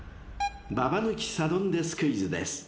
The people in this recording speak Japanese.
［ババ抜きサドンデスクイズです］